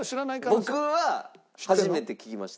僕は初めて聞きました。